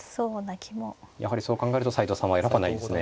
やはりそう考えると斎藤さんは選ばないですね。